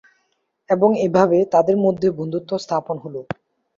এবং এভাবেই তাদের মধ্যে বন্ধুত্ব স্থাপন হল।